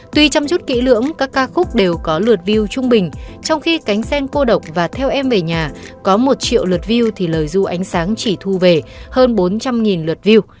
tuy chăm chút kỹ lưỡng các ca khúc đều có lượt view trung bình trong khi cánh sen cô độc và theo em về nhà có một triệu lượt view thì lời du ánh sáng chỉ thu về hơn bốn trăm linh lượt view